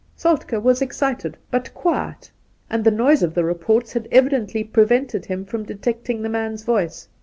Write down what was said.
Soltk^ was excited, but quiet, and the noise of the reports had evidently pre vented him from detecting the man's voice.